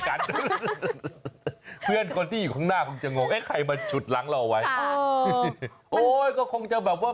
เชื่อนคนที่อยู่ข้างหน้าก็จะงงว่าให้ไข้มาชุดล้างเราไว้